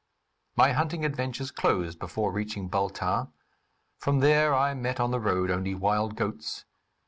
My hunting adventures closed before reaching Baltal. From there I met on the road only wild goats.